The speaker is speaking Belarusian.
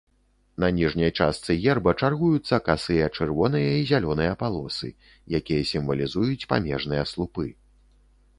На ніжняй частцы герба чаргуюцца касыя чырвоныя і зялёныя палосы, якія сімвалізуюць памежныя слупы.